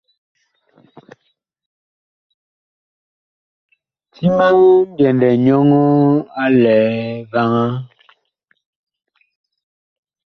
Ti ma ŋmbyɛndɛ nyɔŋɔɔ a lɛ vaŋaa.